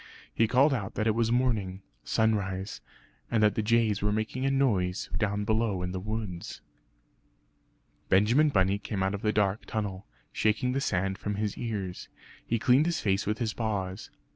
He called out that it was morning sunrise; and that the jays were making a noise down below in the woods. Benjamin Bunny came out of the dark tunnel, shaking the sand from his ears; he cleaned his face with his paws.